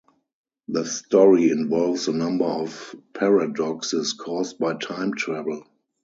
The story involves a number of paradoxes caused by time travel.